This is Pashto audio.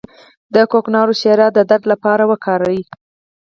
د کوکنارو شیره د درد لپاره وکاروئ